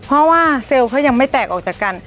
เพราะว่าเซลล์เขายังไม่แตกออกจากกัน